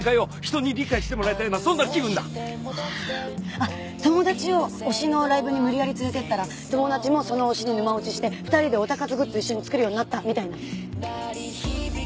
あっ友達を推しのライブに無理やり連れていったら友達もその推しに沼落ちして２人でオタ活グッズ一緒に作るようになったみたいな？